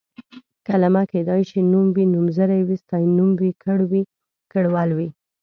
کلمه کيدای شي نوم وي، نومځری وي، ستاینوم وي، کړ وي، کړول وي...